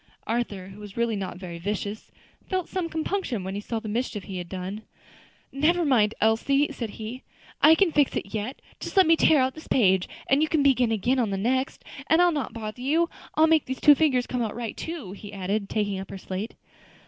Arthur, who was really not very vicious, felt some compunction when he saw the mischief he had done. "Never mind, Elsie," said he. "I can fix it yet. Just let me tear out this page, and you can begin again on the next, and I'll not bother you. I'll make these two figures come right too," he added, taking up her slate.